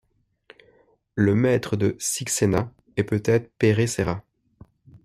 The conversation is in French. Le Maître de Sixena est peut-être Pere Serra.